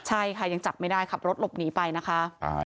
ใช่ค่ะยังจับไม่ได้ขับรถหลบหนีไปนะคะ